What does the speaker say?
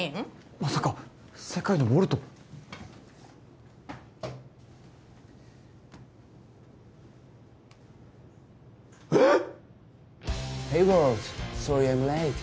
まさか世界のウォルトええっ！？